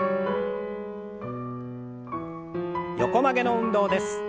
横曲げの運動です。